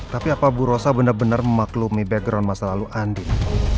tapi apa bu rosa benar benar memaklumi background masa lalu andin